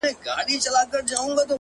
o د ميني درد ـ